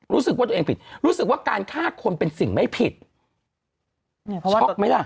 รู้สึกว่าตัวเองผิดรู้สึกว่าการฆ่าคนเป็นสิ่งไม่ผิดเนี่ยเพราะว่าช็อกไหมล่ะ